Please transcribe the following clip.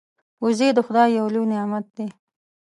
وزې د خدای یو لوی نعمت دی